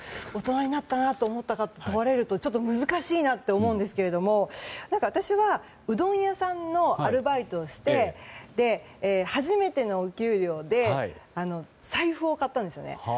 大人になったなと思ったか問われるとちょっと難しいなと思うんですけど私はうどん屋さんのアルバイトをして初めてのお給料で財布を買ったんですよね。